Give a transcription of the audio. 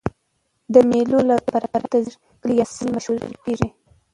د مېلو له برکته ځيني کلي یا سیمې مشهوره کېږي.